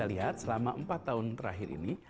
nah kalau kita lihat selama empat tahun terakhir ini